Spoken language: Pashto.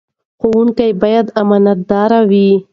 ښوونکي باید امانتدار وي.